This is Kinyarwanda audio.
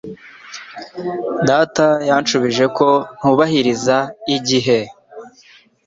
Data yanshubije ko ntubahiriza igihe